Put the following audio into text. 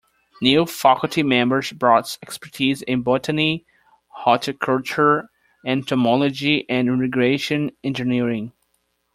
New faculty members brought expertise in botany, horticulture, entomology, and irrigation engineering.